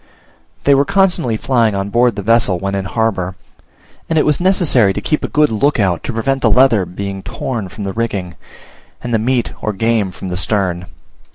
They were constantly flying on board the vessel when in the harbour; and it was necessary to keep a good look out to prevent the leather being torn from the rigging, and the meat or game from the stern.